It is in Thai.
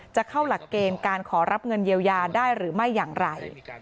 จะเข้าหลักเกณฑ์การขอรับเงินเยียวยาได้หรือไม่อย่างไร